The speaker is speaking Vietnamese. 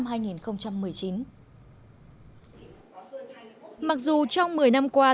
mặc dù trong một mươi năm qua